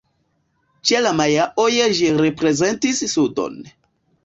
Ĉe la majaoj ĝi reprezentis sudon.